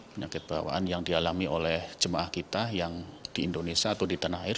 penyakit bawaan yang dialami oleh jemaah kita yang di indonesia atau di tanah air